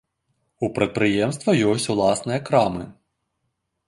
У прадпрыемства ёсць уласныя крамы.